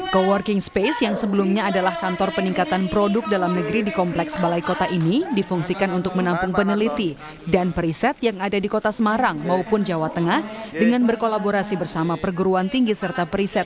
co working space yang sebelumnya adalah kantor peningkatan produk dalam negeri di kompleks balai kota ini difungsikan untuk menampung peneliti dan periset yang ada di kota semarang maupun jawa tengah dengan berkolaborasi bersama perguruan tinggi serta periset